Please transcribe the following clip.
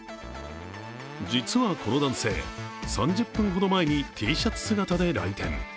実は、この男性３０分ほど前にＴシャツ姿で来店。